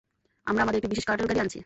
আমরা আমাদের একটি বিশেষ কার্টেল গাড়ি আনছি।